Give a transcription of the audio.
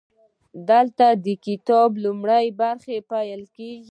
دلته د کتاب لومړۍ برخه پیل کیږي.